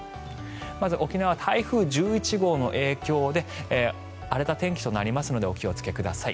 まず沖縄、台風１１号の影響で荒れた天気となりますのでお気をつけください。